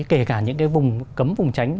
kể cả những cái vùng cấm vùng tránh